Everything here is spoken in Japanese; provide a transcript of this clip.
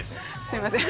すいません。